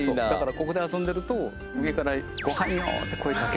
ここで遊んでると上から。